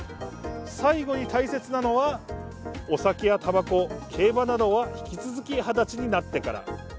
最後に大切なのは、お酒やたばこ、競馬などは引き続き二十歳になってから。